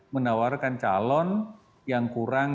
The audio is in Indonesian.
menawarkan calon yang kurang